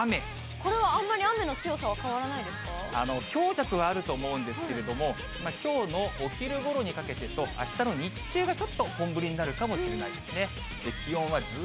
これはあんまり、雨の強さは強弱はあると思うんですけれども、きょうのお昼ごろにかけてと、あしたの日中がちょっと本降りになるかもしれないですね。